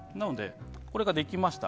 これができました。